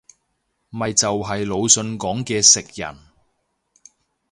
咪就係魯迅講嘅食人